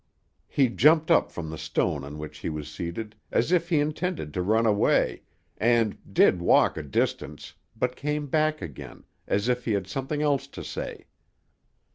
He jumped up from the stone on which he was seated, as if he intended to run away, and did walk a distance, but came back again, as if he had something else to say.